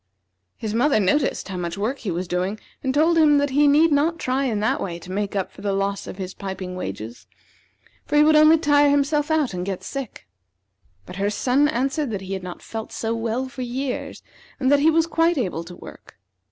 His mother noticed how much work he was doing, and told him that he need not try in that way to make up for the loss of his piping wages; for he would only tire himself out, and get sick. But her son answered that he had not felt so well for years, and that he was quite able to work.